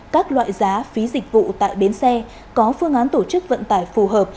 các loại giá phí dịch vụ tại bến xe có phương án tổ chức vận tải phù hợp